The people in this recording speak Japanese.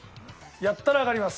やったらわかります。